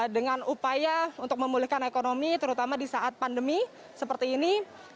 dengan upaya untuk memulihkan ekonomi terutama di saat pandemi seperti ini